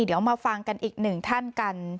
เดี๋ยวมาฟังกันอีกหนึ่งท่านกัน